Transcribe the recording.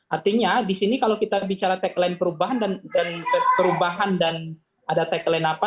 artinya di sini kalau kita bicara tagline perubahan dan ada tagline apa